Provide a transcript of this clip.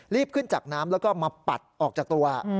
รีบขึ้นจากน้ำแล้วก็มาปัดออกจากตัว